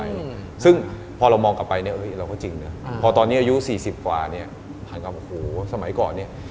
อเจมส์ซึ่งพอเรามองกลับไปเราก็จริงพอตอนนี้อายุ๔๐กวรสมัยก่อนเนี่ย